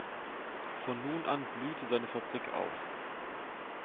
Von nun an blühte seine Fabrik auf.